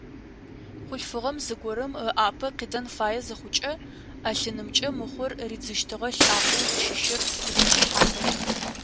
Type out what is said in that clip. Хъулъфыгъэм зыгорэм ыӏапэ кӏидзэн фае зыхъукӏэ, ӏэлъынымкӏэ мыхъур ридзыщтыгъэ лӏакъоу зыщыщыр къыушыхьатэу.